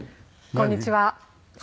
こんにちは。